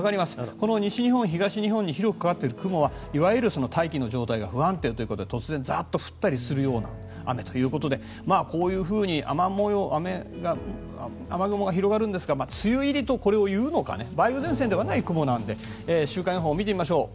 この西日本、東日本に広くかかっている雲はいわゆる大気の状態が不安定ということで突然、ザッと降るような雨ということでこういうふうに雨雲が広がるんですがこれを梅雨入りというのか梅雨前線ではない雲なので週間予報を見てみましょう。